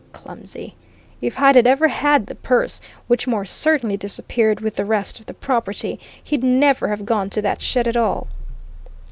Clumsy! If Hyde had ever had the purse, which more certainly disappeared with the rest of the property, he'd never have gone to that shed at all."